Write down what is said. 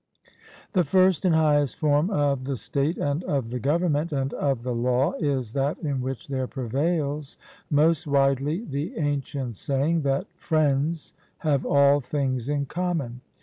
The first and highest form of the state and of the government and of the law is that in which there prevails most widely the ancient saying, that 'Friends have all things in common.'